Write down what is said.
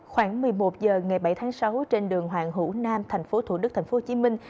khoảng một mươi một h ngày bảy tháng sáu trên đường hoàng hữu nam thành phố thủ đức thành phố hồ chí minh